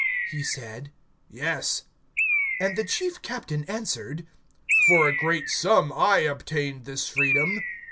He said: Yes. (28)And the chief captain answered: For a great sum I obtained this freedom.